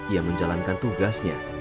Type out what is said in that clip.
ia menjalankan tugas yang berbeda